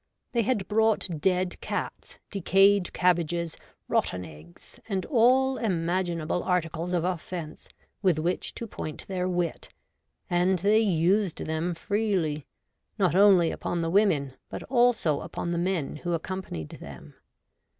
They had brought dead cats, decayed cabbages, rotten eggs, and all imaginable articles of offence with which to point their wit, and they used them freely, not only upon the women, but also upon the men who accompanied them.